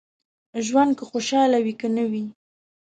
ژوند که خوشاله وي که نه وي.